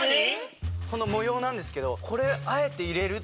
この模様なんですけど。